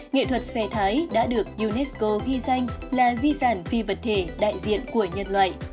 nghệ thuật xòe thái đã được unesco ghi danh là di sản phi vật thể đại diện của nhân loại